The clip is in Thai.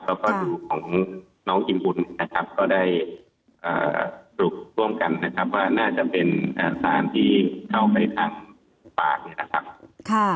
แล้วก็ดูของน้องอิมปุ่นก็ได้สรุปร่วมกันว่าน่าจะเป็นสารที่เข้าไปทางฝาก